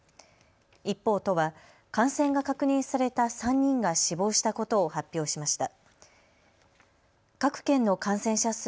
一方、都は感染が確認された３人が死亡したことを発表しました。